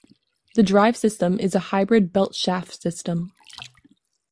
The drive system is a hybrid belt-shaft system.